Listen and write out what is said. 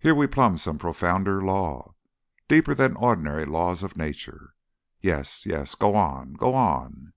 Here we plumb some profounder law deeper than the ordinary laws of nature. Yes yes. Go on. Go on!"